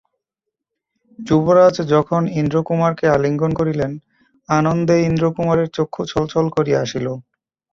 যুবরাজ যখন ইন্দ্রকুমারকে আলিঙ্গন করিলেন, আনন্দে ইন্দ্রকুমারের চক্ষু ছল ছল করিয়া আসিল।